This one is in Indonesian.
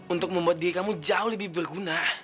untuk membuat diri kamu jauh lebih berguna